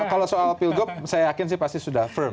kalau soal pilgub saya yakin sih pasti sudah firm